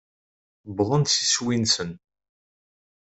Uwḍen s iswi-nsen.